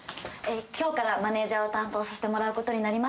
今日からマネージャーを担当させてもらうことになりました。